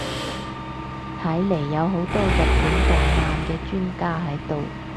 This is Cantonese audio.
睇嚟有好多日本動漫嘅專家喺度